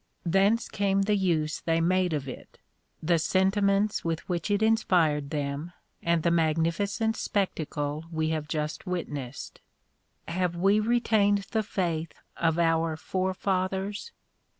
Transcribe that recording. Thence came the use they made of it, the sentiments with which it inspired them, and the magnificent spectacle we have just witnessed. Have we retained the faith of our forefathers?